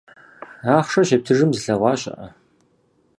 Ахъшэр щептыжым зылъэгъуа щыӀэ?